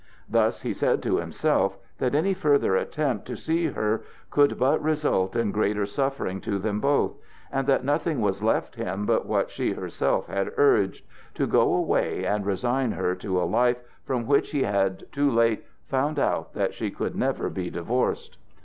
Thus he said to himself that any further attempt to see her could but result in greater suffering to them both, and that nothing was left him but what she herself had urged to go away and resign her to a life, from which he had too late found out that she could never be divorced.